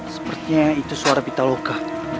sepertinya itu suara pitaloka